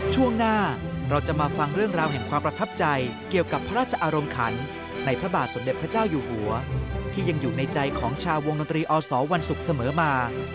ช่วงหน้าเราจะมาฟังเรื่องราวแห่งความประทับใจเกี่ยวกับพระราชอารมณ์ขันในพระบาทสมเด็จพระเจ้าอยู่หัวที่ยังอยู่ในใจของชาววงดนตรีอสวันศุกร์เสมอมา